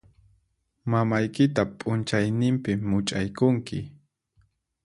Mamaykita p'unchaynimpi much'aykunki.